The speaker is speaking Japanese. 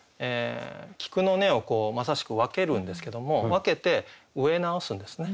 菊の根をまさしく分けるんですけども分けて植え直すんですね。